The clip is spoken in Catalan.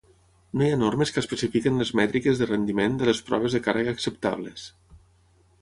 No hi ha normes que especifiquin les mètriques de rendiment de les proves de càrrega acceptables.